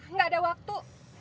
gak ada waktu